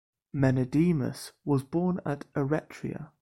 Menedemus was born at Eretria.